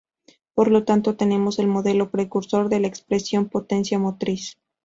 Por lo tanto, tenemos el modelo precursor de la expresión potencia motriz.